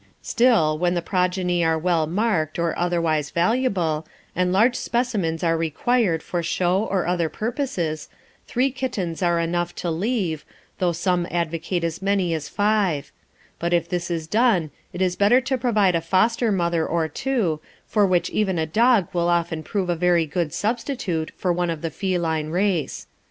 Still, when the progeny are well marked or otherwise valuable, and large specimens are required for show or other purposes, three kittens are enough to leave, though some advocate as many as five; but if this is done it is better to provide a foster mother for two, for which even a dog will often prove a very good substitute for one of the feline race.